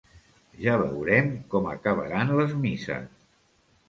Ja veurem com acabaran les misses.